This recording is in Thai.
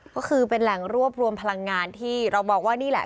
ก็คือเป็นแหล่งรวบรวมพลังงานที่เรามองว่านี่แหละ